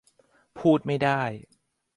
พูดไม่ได้